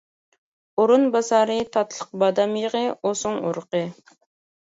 ئورۇنباسارى تاتلىق بادام يېغى، ئوسۇڭ ئۇرۇقى.